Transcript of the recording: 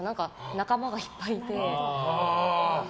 仲間がいっぱいいて。